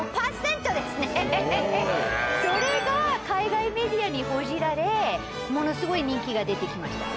それが海外メディアに報じられものすごい人気が出て来ました。